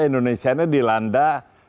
indonesia ini dilanda